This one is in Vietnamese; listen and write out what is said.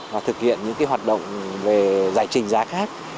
và thực hiện những hoạt động về giải trình giá khác